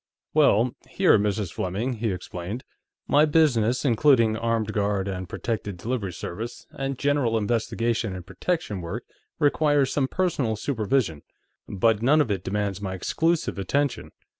"Well, here, Mrs. Fleming," he explained. "My business, including armed guard and protected delivery service, and general investigation and protection work, requires some personal supervision, but none of it demands my exclusive attention.